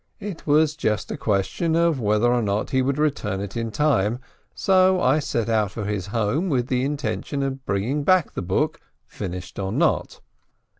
It was just a question whether or not he would return it in time, so I set out for his home, with the intention of bringing back the book, finished or not.